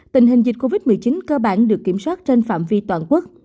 tình hình dịch covid một mươi chín cơ bản được kiểm soát trên phạm vi toàn quốc